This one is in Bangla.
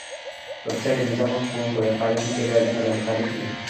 ওয়েবসাইটে ভিসা ফরম পূরণ করে তারিখ নিতে গেলে দেখা যাবে, তারিখ নেই।